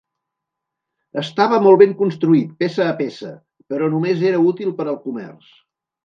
Estava molt ben construït, peça a peça, però només era útil per al comerç.